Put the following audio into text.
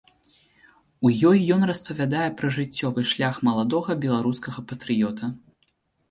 У ёй ён распавядае пра жыццёвы шлях маладога беларускага патрыёта.